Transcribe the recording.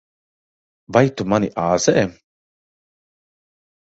Vai tu mani āzē?